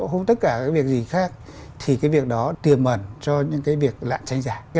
không có tất cả cái việc gì khác thì cái việc đó tiềm ẩn cho những cái việc lạn tranh giả cái